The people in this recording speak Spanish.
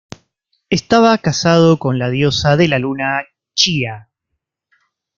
Estaba casado con la diosa de la Luna Chía.